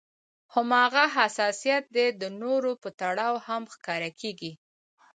هماغه حساسيت دې د نورو په تړاو هم ښکاره کړي.